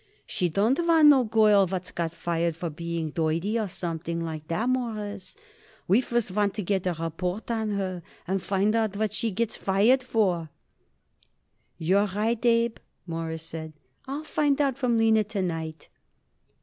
She don't want no girl what's got fired for being dirty or something like that, Mawruss. We first want to get a report on her and find out what she gets fired for." "You're right, Abe," Morris said. "I'll find out from Lina to night."